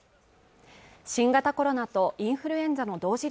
新型コロナとインフルエンザの同時